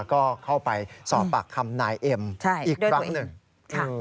ก็เข้าไปสอบปากคำนายเอ็มใช่อีกครั้งหนึ่งคือ